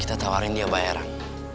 kita tawarin dia bayaran